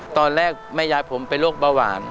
ตอนแรกแม่ยายผมเป็นโรคเบาหวาน